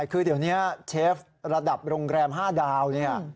คือเดี๋ยวนี้เชฟระดับโรงแรม๕ดาวเนี่ย